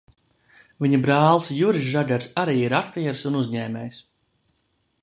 Viņa brālis Juris Žagars arī ir aktieris un uzņēmējs.